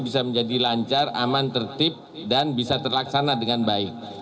bisa menjadi lancar aman tertib dan bisa terlaksana dengan baik